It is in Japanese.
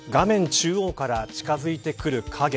中央から近づいてくる影。